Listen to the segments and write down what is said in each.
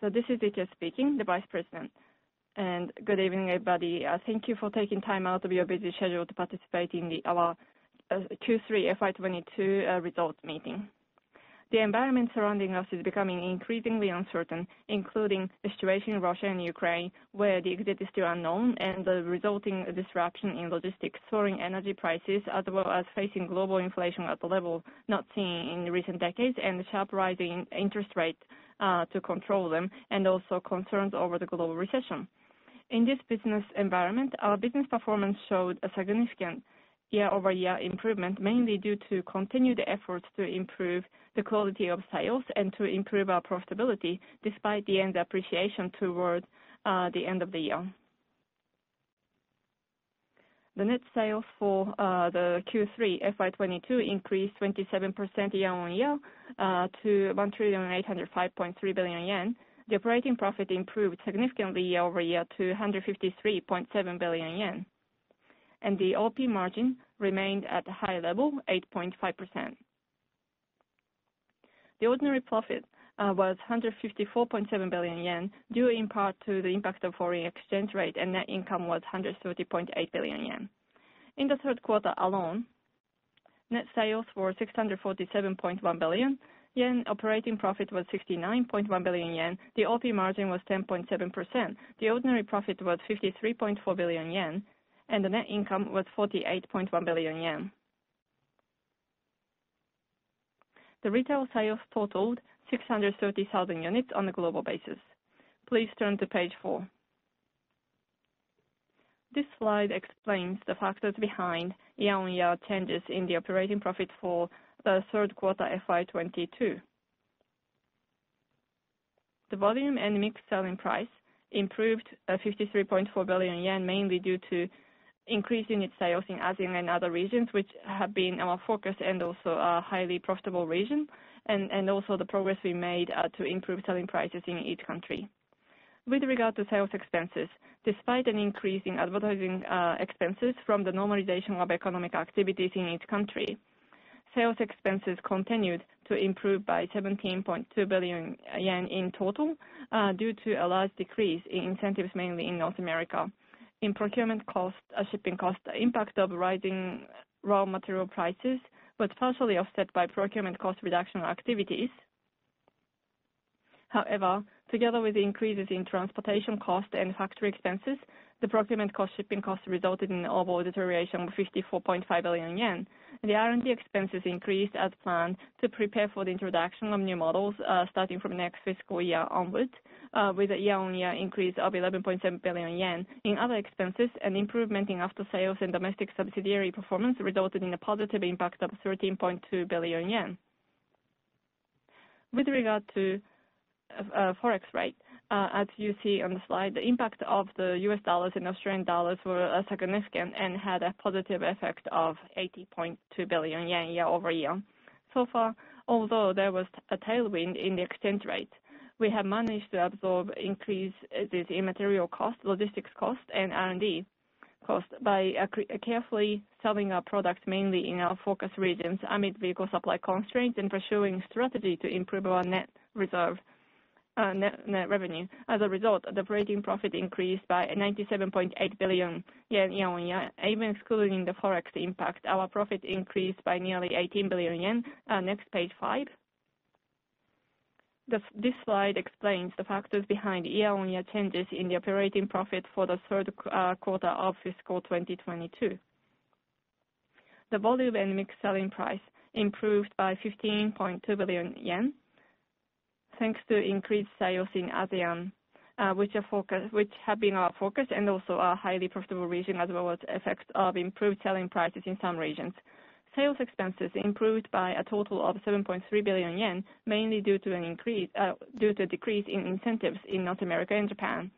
This is Ikeya speaking, the Vice President. Good evening, everybody. Thank you for taking time out of your busy schedule to participate in the, our, FY 2022 results meeting. The environment surrounding us is becoming increasingly uncertain, including the situation in Russia and Ukraine, where the exit is still unknown and the resulting disruption in logistics, soaring energy prices, as well as facing global inflation at the level not seen in recent decades and the sharp rise in interest rates to control them and also concerns over the global recession. In this business environment, our business performance showed a significant year-over-year improvement, mainly due to continued efforts to improve the quality of sales and to improve our profitability despite the JPY depreciation toward the end of the year. The net sales for the Q3 FY 2022 increased 27% year on year to 1,805.3 billion yen. The operating profit improved significantly year over year to 153.7 billion yen. The OP margin remained at a high level, 8.5%. The ordinary profit was 154.7 billion yen due in part to the impact of foreign exchange rate. Net income was 130.8 billion yen. In the third quarter alone, net sales were 647.1 billion yen. Operating profit was 69.1 billion yen. The OP margin was 10.7%. The ordinary profit was 53.4 billion yen. The net income was 48.1 billion yen. The retail sales totaled 630,000 units on a global basis. Please turn to page four. This slide explains the factors behind year-over-year changes in the operating profit for the third quarter FY 2022. The volume and mix selling price improved, 53.4 billion yen, mainly due to increase in its sales in ASEAN and other regions which have been our focus and also a highly profitable region and also the progress we made to improve selling prices in each country. With regard to sales expenses, despite an increase in advertising expenses from the normalization of economic activities in each country, sales expenses continued to improve by 17.2 billion yen in total, due to a large decrease in incentives mainly in North America. In procurement cost, shipping cost, impact of rising raw material prices was partially offset by procurement cost reduction activities. Together with the increases in transportation cost and factory expenses, the procurement cost, shipping cost resulted in overall deterioration of 54.5 billion yen. The R&D expenses increased as planned to prepare for the introduction of new models, starting from next fiscal year onwards, with a year-on-year increase of 11.7 billion yen. In other expenses, an improvement in after sales and domestic subsidiary performance resulted in a positive impact of 13.2 billion yen. With regard to Forex rate, as you see on the slide, the impact of the U.S. dollars and Australian dollars were significant and had a positive effect of 80.2 billion yen year-over-year. Although there was a tailwind in the exchange rate, we have managed to absorb increase, this immaterial cost, logistics cost, and R&D cost by carefully selling our products mainly in our focus regions amid vehicle supply constraints and pursuing strategy to improve our net revenue. As a result, the operating profit increased by 97.8 billion yen year-on-year. Even excluding the Forex impact, our profit increased by nearly 18 billion yen. Next page five. This slide explains the factors behind year-on-year changes in the operating profit for the third quarter of fiscal 2022. The volume and mix selling price improved by 15.2 billion yen, thanks to increased sales in ASEAN, which are focus, which have been our focus and also a highly profitable region as well as effects of improved selling prices in some regions. Sales expenses improved by a total of 7.3 billion yen, mainly due to decrease in incentives in North America and Japan.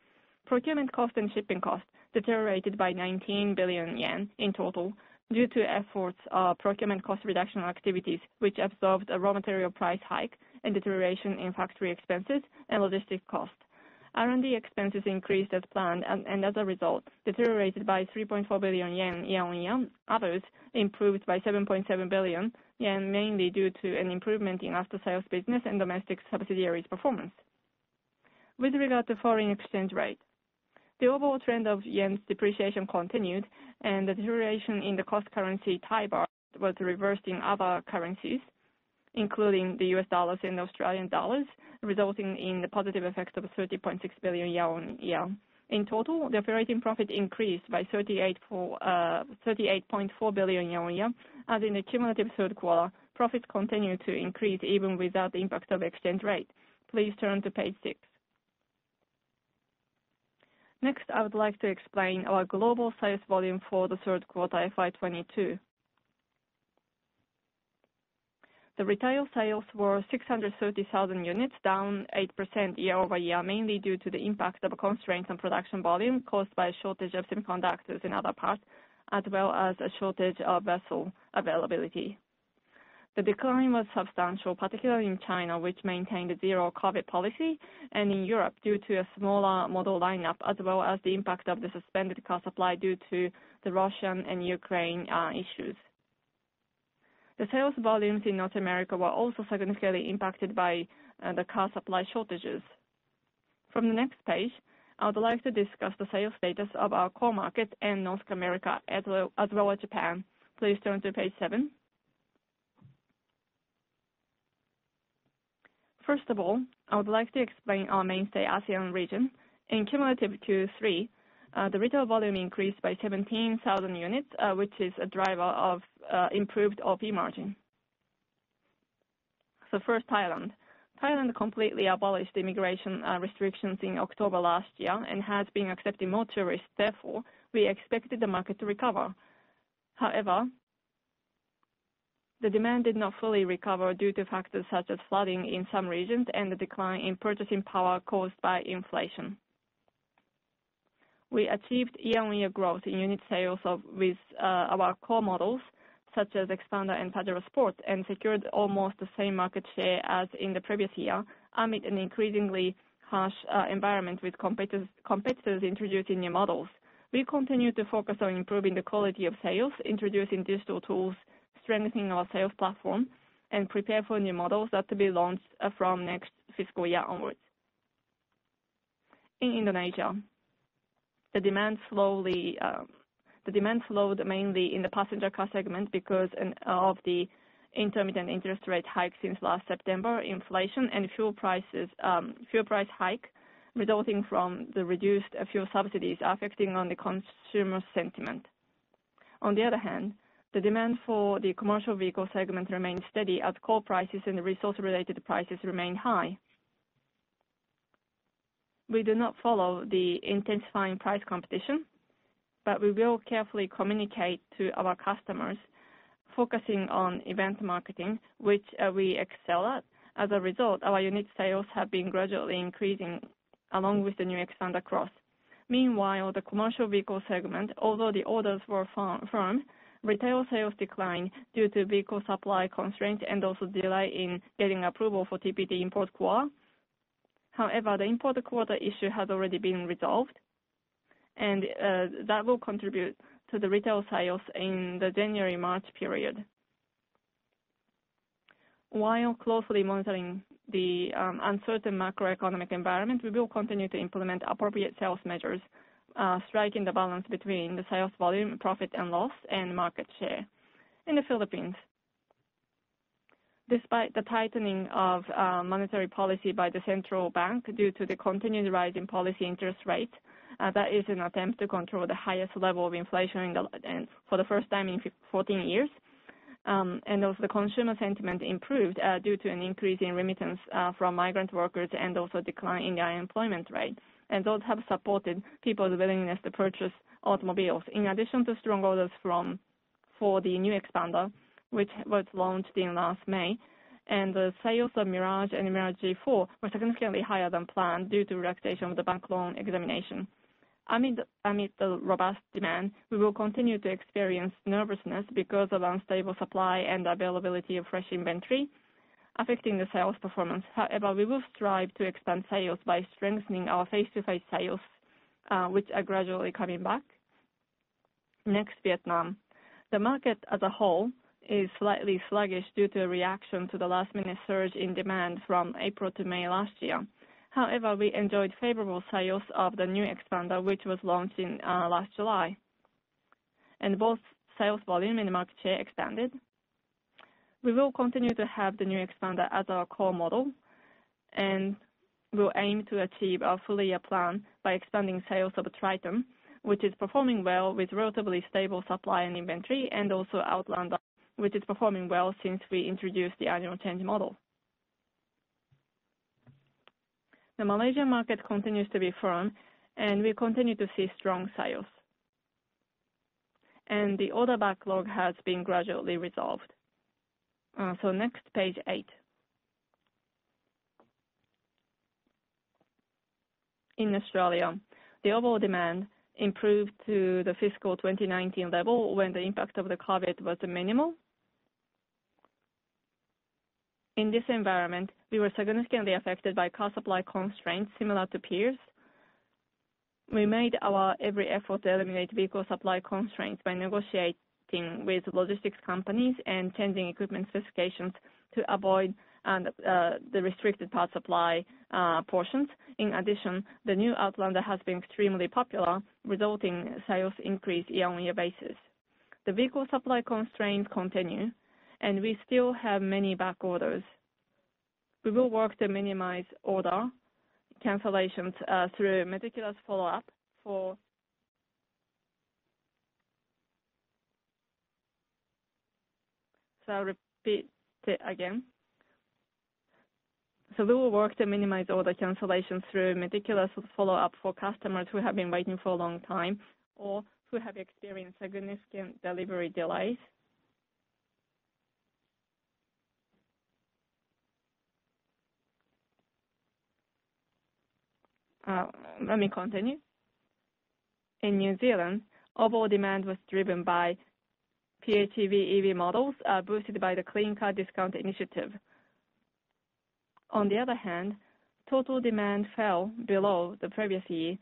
Procurement cost and shipping costs deteriorated by 19 billion yen in total due to efforts of procurement cost reduction activities, which absorbed a raw material price hike and deterioration in factory expenses and logistic costs. R&D expenses increased as planned and as a result, deteriorated by 3.4 billion yen year-on-year. Others improved by 7.7 billion yen, mainly due to an improvement in after-sales business and domestic subsidiaries performance. With regard to foreign exchange rate, the overall trend of yen's depreciation continued, and the deterioration in the cost currency Thai baht was reversed in other currencies, including the U.S. dollars and Australian dollars, resulting in the positive effects of 30.6 billion yen year-on-year. In total, the operating profit increased by 38.4 billion yen year-on-year. As in the cumulative third quarter, profits continued to increase even without the impact of exchange rate. Please turn to page six. Next, I would like to explain our global sales volume for the third quarter FY 2022. The retail sales were 630,000 units, down 8% year-over-year, mainly due to the impact of constraints on production volume caused by a shortage of semiconductors and other parts, as well as a shortage of vessel availability. The decline was substantial, particularly in China, which maintained a zero-COVID policy, and in Europe due to a smaller model line-up as well as the impact of the suspended car supply due to the Russian and Ukraine issues. The sales volumes in North America were also significantly impacted by the car supply shortages. From the next page, I would like to discuss the sales status of our core market in North America as well as Japan. Please turn to page seven. First of all, I would like to explain our mainstay ASEAN region. In cumulative 2023, the retail volume increased by 17,000 units, which is a driver of improved OP margin. First, Thailand. Thailand completely abolished immigration restrictions in October last year and has been accepting more tourists, therefore, we expected the market to recover. The demand did not fully recover due to factors such as flooding in some regions and the decline in purchasing power caused by inflation. We achieved year-on-year growth in unit sales of, with our core models such as Xpander and Pajero Sport and secured almost the same market share as in the previous year amid an increasingly harsh environment with competitors introducing new models. We continue to focus on improving the quality of sales, introducing digital tools, strengthening our sales platform and prepare for new models that are to be launched from next fiscal year onwards. In Indonesia, the demand slowed mainly in the passenger car segment because of the intermittent interest rate hike since last September, inflation and fuel prices fuel price hike resulting from the reduced fuel subsidies affecting on the consumer sentiment. On the other hand, the demand for the commercial vehicle segment remained steady as coal prices and resource related prices remained high. We do not follow the intensifying price competition, but we will carefully communicate to our customers focusing on event marketing, which we excel at. As a result, our unit sales have been gradually increasing along with the new Xpander Cross. Meanwhile, the commercial vehicle segment, although the orders were firm, retail sales declined due to vehicle supply constraints and also delay in getting approval for TPT import quota. The import quota issue has already been resolved and that will contribute to the retail sales in the January-March period. While closely monitoring the uncertain macroeconomic environment, we will continue to implement appropriate sales measures, striking the balance between the sales volume, profit and loss and market share. In the Philippines, despite the tightening of monetary policy by the Central Bank due to the continued rise in policy interest rate, that is an attempt to control the highest level of inflation and for the first time in 14 years. Also the consumer sentiment improved due to an increase in remittance from migrant workers and also decline in unemployment rate. Those have supported people's willingness to purchase automobiles. In addition to strong orders for the new Xpander, which was launched in last May and the sales of Mirage and Mirage G4 were significantly higher than planned due to relaxation of the bank loan examination. Amid the robust demand, we will continue to experience nervousness because of unstable supply and availability of fresh inventory affecting the sales performance. However, we will strive to expand sales by strengthening our face-to-face sales, which are gradually coming back. Next, Vietnam. The market as a whole is slightly sluggish due to a reaction to the last minute surge in demand from April to May last year. However, we enjoyed favorable sales of the new Xpander, which was launched in last July, and both sales volume and market share expanded. We will continue to have the new Xpander as our core model and will aim to achieve our full year plan by expanding sales of the Triton, which is performing well with relatively stable supply and inventory, and also Outlander, which is performing well since we introduced the annual change model. The Malaysian market continues to be firm, and we continue to see strong sales. The order backlog has been gradually resolved. Next page eight. In Australia, the overall demand improved to the fiscal 2019 level when the impact of the COVID was minimal. In this environment, we were significantly affected by car supply constraints similar to peers. We made our every effort to eliminate vehicle supply constraints by negotiating with logistics companies and changing equipment specifications to avoid the restricted part supply portions. In addition, the new Outlander has been extremely popular, resulting sales increase year-on-year basis. The vehicle supply constraints continue, and we still have many back orders. We will work to minimize order cancellations through meticulous follow up for customers who have been waiting for a long time or who have experienced significant delivery delays. Let me continue. In New Zealand, overall demand was driven by PHEV EV models, boosted by the Clean Car Discount initiative. On the other hand, total demand fell below the previous year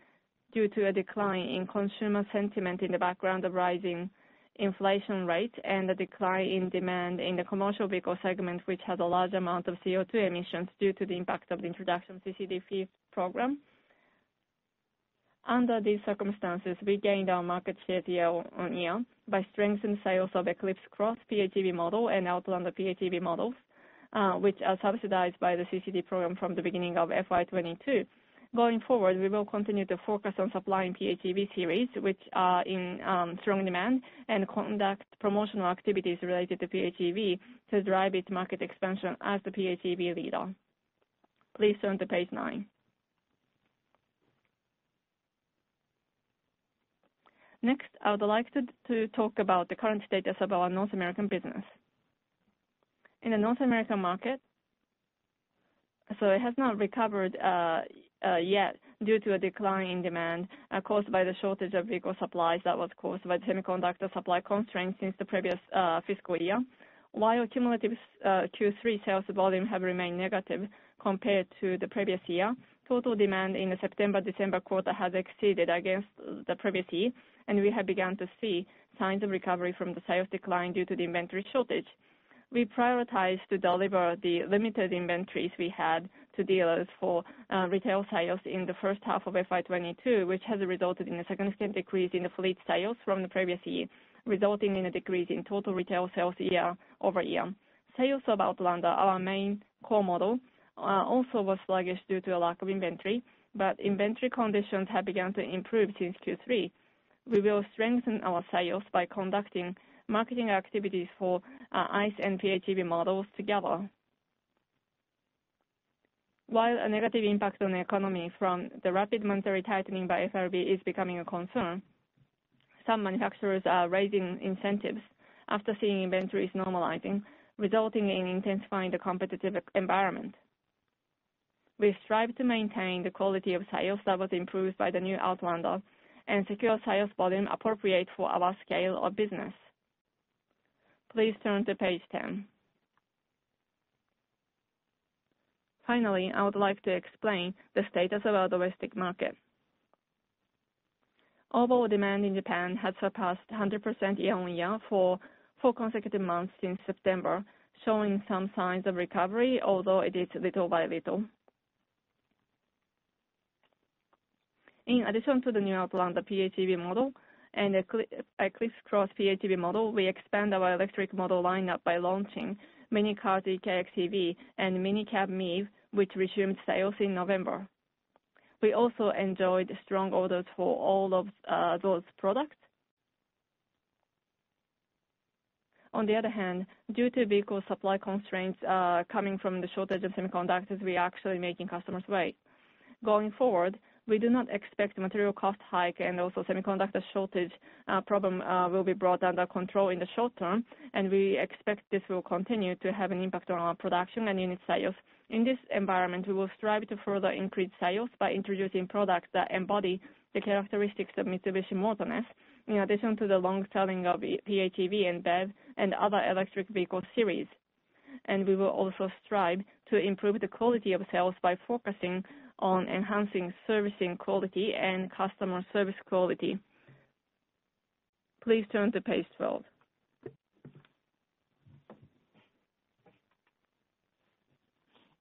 due to a decline in consumer sentiment in the background of rising inflation rate and a decline in demand in the commercial vehicle segment, which has a large amount of CO2 emissions due to the impact of the introduction of CCD fee program. Under these circumstances, we gained our market share year over- on year by strengthening sales of Eclipse Cross PHEV model and Outlander PHEV models, which are subsidized by the CCD program from the beginning of FY 2022. Going forward, we will continue to focus on supplying PHEV series, which are in strong demand and conduct promotional activities related to PHEV to drive its market expansion as the PHEV leader. Please turn to page nine. Next, I would like to talk about the current status of our North American business. In the North American market, it has not recovered yet due to a decline in demand caused by the shortage of vehicle supplies that was caused by the semiconductor supply constraints since the previous fiscal year. While cumulative Q3 sales volume have remained negative compared to the previous year, total demand in the September-December quarter has exceeded against the previous year. We have begun to see signs of recovery from the sales decline due to the inventory shortage. We prioritize to deliver the limited inventories we had to dealers for retail sales in the first half of FY 2022, which has resulted in a significant decrease in the fleet sales from the previous year, resulting in a decrease in total retail sales year-over-year. Sales of Outlander, our main core model, also was sluggish due to a lack of inventory, but inventory conditions have begun to improve since Q3. We will strengthen our sales by conducting marketing activities for ICE and PHEV models together. While a negative impact on the economy from the rapid monetary tightening by FRB is becoming a concern, some manufacturers are raising incentives after seeing inventories normalizing, resulting in intensifying the competitive environment. We strive to maintain the quality of sales that was improved by the new Outlander and secure sales volume appropriate for our scale of business. Please turn to page 10. Finally, I would like to explain the status of our domestic market. Overall demand in Japan has surpassed 100% year-on-year for four consecutive months since September, showing some signs of recovery, although it is little by little. In addition to the new Outlander PHEV model and Eclipse Cross PHEV model, we expand our electric model lineup by launching mini car eK X EV and Minicab-MiEV, which resumed sales in November. We also enjoyed strong orders for all of those products. On the other hand, due to vehicle supply constraints coming from the shortage of semiconductors, we are actually making customers wait. Going forward, we do not expect material cost hike and also semiconductor shortage problem will be brought under control in the short term, and we expect this will continue to have an impact on our production and unit sales. In this environment, we will strive to further increase sales by introducing products that embody the characteristics of Mitsubishi Motors, in addition to the long selling of PHEV and BEV and other electric vehicle series. We will also strive to improve the quality of sales by focusing on enhancing servicing quality and customer service quality. Please turn to page 12.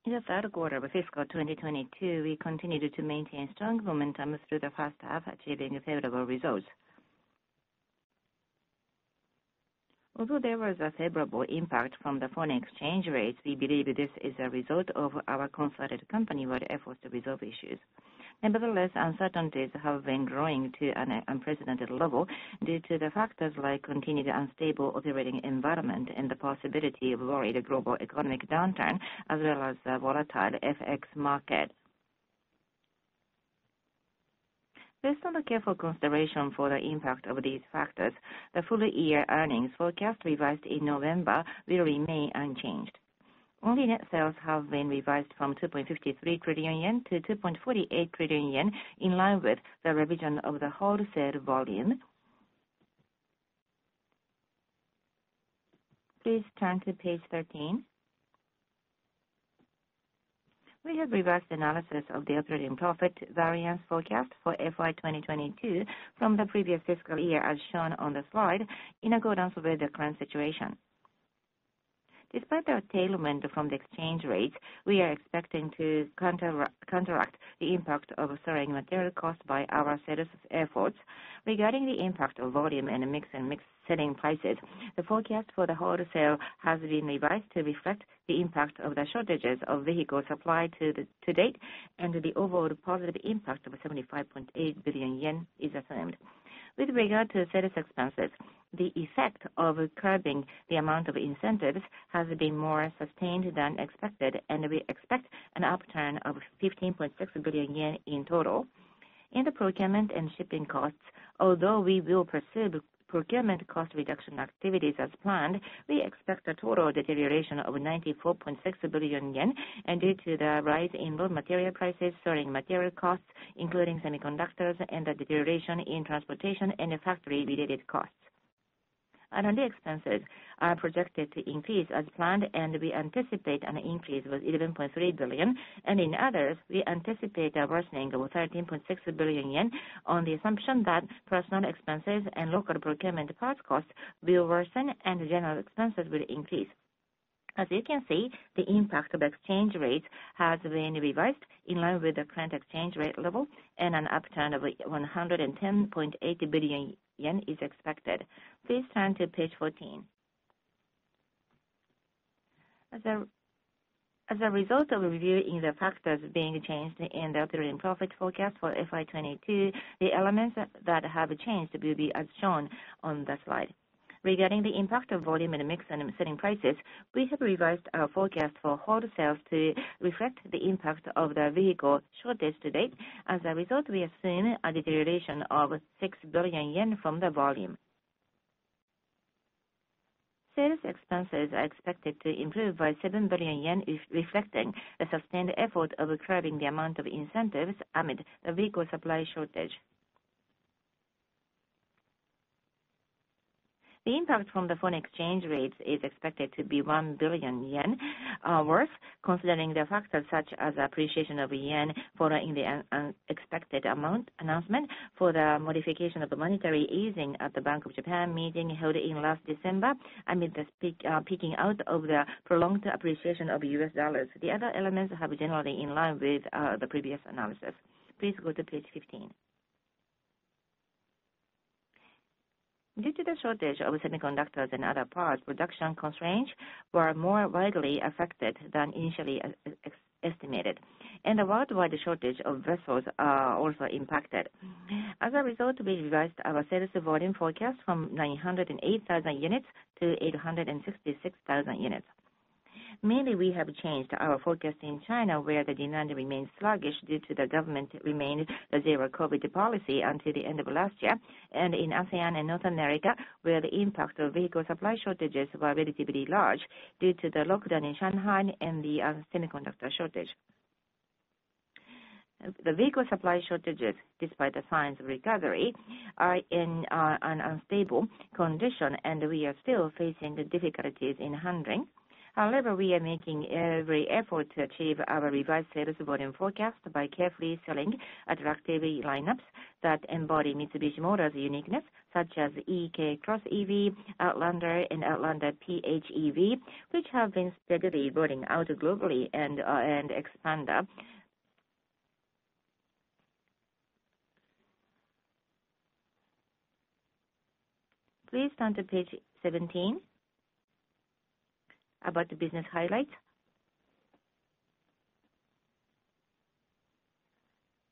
In the third quarter of fiscal 2022, we continued to maintain strong momentum through the first half, achieving favorable results. Although there was a favorable impact from the foreign exchange rates, we believe this is a result of our concerted company-wide efforts to resolve issues. Nevertheless, uncertainties have been growing to an unprecedented level due to the factors like continued unstable operating environment and the possibility of worried global economic downturn, as well as the volatile FX market. Based on a careful consideration for the impact of these factors, the full year earnings forecast revised in November will remain unchanged. Only net sales have been revised from 2.53 trillion yen to 2.48 trillion yen, in line with the revision of the wholesale volume. Please turn to page 13. We have revised analysis of the operating profit variance forecast for FY2022 from the previous fiscal year, as shown on the slide, in accordance with the current situation. Despite the attainment from the exchange rate, we are expecting to counteract the impact of soaring material costs by our sales efforts. Regarding the impact of volume and mix selling prices, the forecast for the wholesale has been revised to reflect the impact of the shortages of vehicle supply to date, and the overall positive impact of 75.8 billion yen is affirmed. With regard to sales expenses, the effect of curbing the amount of incentives has been more sustained than expected, and we expect an upturn of 15.6 billion yen in total. In the procurement and shipping costs, although we will pursue the procurement cost reduction activities as planned, we expect a total deterioration of 94.6 billion yen, and due to the rise in raw material prices, soaring material costs, including semiconductors and the deterioration in transportation and factory-related costs. R&D expenses are projected to increase as planned, and we anticipate an increase with 11.3 billion. In others, we anticipate a worsening of 13.6 billion yen on the assumption that personal expenses and local procurement parts costs will worsen and general expenses will increase. As you can see, the impact of exchange rates has been revised in line with the current exchange rate level and an upturn of 110.8 billion yen is expected. Please turn to page 14. As a result of reviewing the factors being changed in the operating profit forecast for FY 2022, the elements that have changed will be as shown on the slide. Regarding the impact of volume and mix and selling prices, we have revised our forecast for wholesale to reflect the impact of the vehicle shortage to date. As a result, we have seen a deterioration of 6 billion yen from the volume. Sales expenses are expected to improve by 7 billion yen, reflecting the sustained effort of curbing the amount of incentives amid the vehicle supply shortage. The impact from the foreign exchange rates is expected to be 1 billion yen worth, considering the factors such as appreciation of yen following an expected amount announcement for the modification of the monetary easing at the Bank of Japan meeting held in last December amid the peaking out of the prolonged appreciation of U.S. dollars. The other elements are generally in line with the previous analysis. Please go to page 15. Due to the shortage of semiconductors and other parts, production constraints were more widely affected than initially estimated, and the worldwide shortage of vessels also impacted. As a result, we revised our sales volume forecast from 908,000 units to 866,000 units. Mainly, we have changed our forecast in China, where the demand remains sluggish due to the government remained the zero COVID policy until the end of last year, and in ASEAN and North America, where the impact of vehicle supply shortages were relatively large due to the lockdown in Shanghai and the semiconductor shortage. The vehicle supply shortages, despite the signs of recovery, are in an unstable condition, and we are still facing the difficulties in handling. However, we are making every effort to achieve our revised sales volume forecast by carefully selling attractive lineups that embody Mitsubishi Motors' uniqueness, such as eK cross EV, Outlander and Outlander PHEV, which have been steadily rolling out globally, and Xpander. Please turn to page 17 about the business highlights.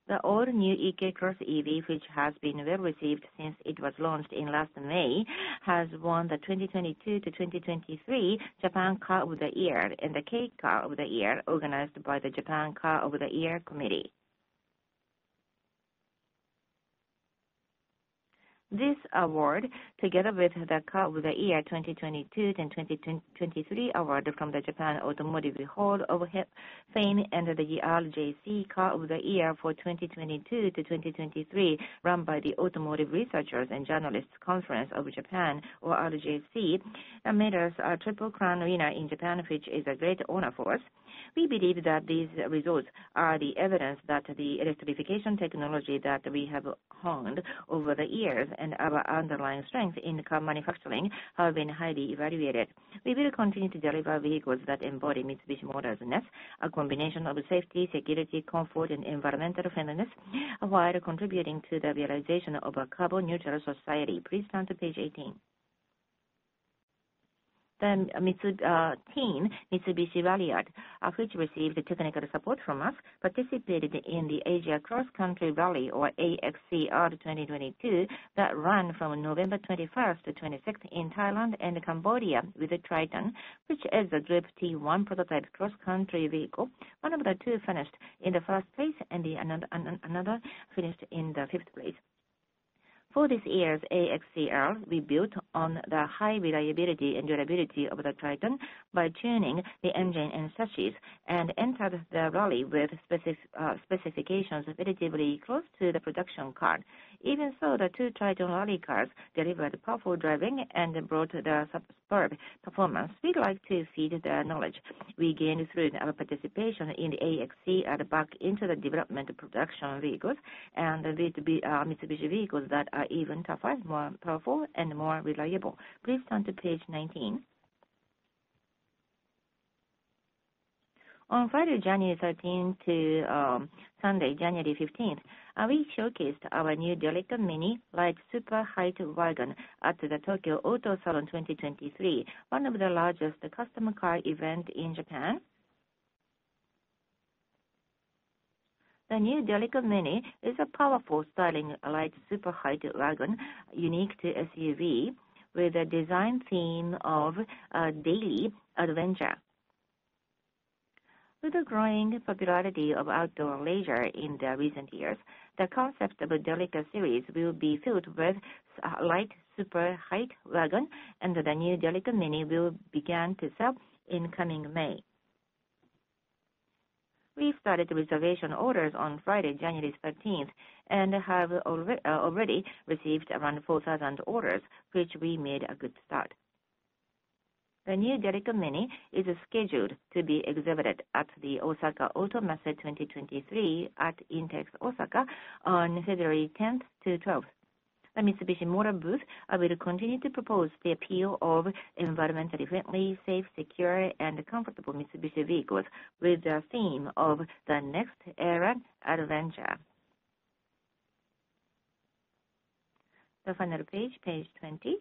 The all-new eK X EV, which has been well received since it was launched in last May, has won the 2022 to 2023 Japan Car of the Year and the K Car of the Year, organized by the Japan Car of the Year Executive Committee. This award, together with the Car of the Year 2022 and 2022-23 award from the Japan Automotive Hall of Fame and the RJC Car of the Year for 2022 to 2023, run by the Automotive Researchers Conference of Japan, or RJC, made us a triple crown winner in Japan, which is a great honor for us. We believe that these results are the evidence that the electrification technology that we have honed over the years and our underlying strength in car manufacturing have been highly evaluated. We will continue to deliver vehicles that embody Mitsubishi Motors'ness, a combination of safety, security, comfort, and environmental friendliness, while contributing to the realization of a carbon neutral society. Please turn to page 18. Mitsubishi Ralliart, which received technical support from us, participated in the Asia Cross Country Rally, or AXCR 2022, that ran from November 25th-26th in Thailand and Cambodia with the Triton, which is a Group T1 prototype cross country vehicle. One of the two finished in the first place and another finished in the fifth place. For this year's AXCR, we built on the high reliability and durability of the Triton by tuning the engine and chassis and entered the rally with specifications relatively close to the production car. Even so, the two Triton rally cars delivered powerful driving and brought the superb performance. We'd like to feed the knowledge we gained through our participation in the AXCR back into the development of production vehicles and lead to be Mitsubishi vehicles that are even tougher, more powerful, and more reliable. Please turn to page 19. On Friday, January 13th to Sunday, January 15th, we showcased our new Delica Mini light super height-wagon at the Tokyo Auto Salon 2023, one of the largest customer car event in Japan. The new Delica Mini is a powerful styling light super height-wagon unique to SUV with a design theme of a daily adventure. With the growing popularity of outdoor leisure in the recent years, the concept of a Delica series will be filled with light super height wagon. The new Delica Mini will begin to sell in coming May. We started the reservation orders on Friday, January 13th, and have already received around 4,000 orders, which we made a good start. The new Delica Mini is scheduled to be exhibited at the Osaka Auto Messe 2023 at INTEX Osaka on February 10th to 12th. The Mitsubishi Motors booth will continue to propose the appeal of environmentally friendly, safe, secure, and comfortable Mitsubishi vehicles with the theme of the next era adventure. The final page 20.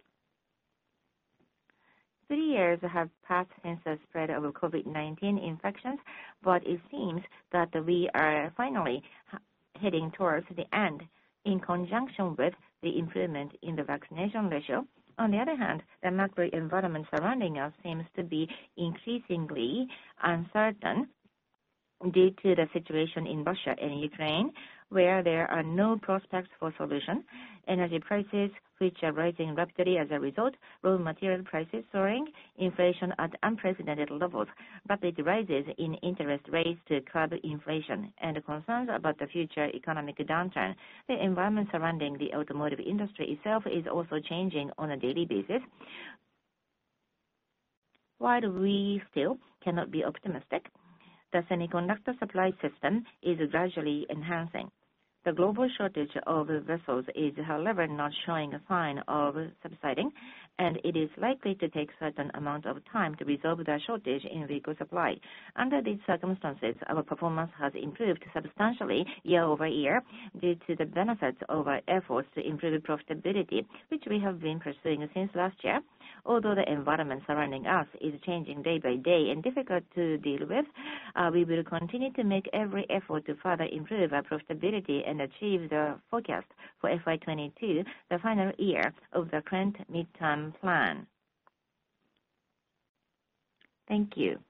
Three years have passed since the spread of COVID-19 infections, but it seems that we are finally heading towards the end in conjunction with the improvement in the vaccination ratio. On the other hand, the macro environment surrounding us seems to be increasingly uncertain due to the situation in Russia and Ukraine, where there are no prospects for solution. Energy prices, which are rising rapidly as a result, raw material prices soaring, inflation at unprecedented levels, rapid rises in interest rates to curb inflation and concerns about the future economic downturn. The environment surrounding the automotive industry itself is also changing on a daily basis. While we still cannot be optimistic, the semiconductor supply system is gradually enhancing. The global shortage of vessels is, however, not showing a sign of subsiding, and it is likely to take certain amount of time to resolve the shortage in vehicle supply. Under these circumstances, our performance has improved substantially year-over-year due to the benefits of our efforts to improve profitability, which we have been pursuing since last year. Although the environment surrounding us is changing day by day and difficult to deal with, we will continue to make every effort to further improve our profitability and achieve the forecast for FY 2022, the final year of the current midterm plan. Thank you.